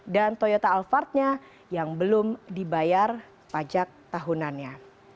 dan toyota alphard nya yang belum dibayar pajak tahunannya